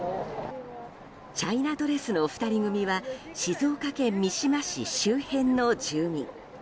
チャイナドレスの２人組は静岡県三島市周辺の住民。